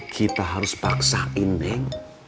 kita harus paksain neng